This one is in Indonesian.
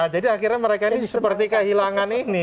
jadi akhirnya mereka ini seperti kehilangan ini